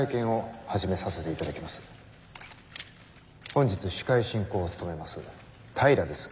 本日司会進行を務めます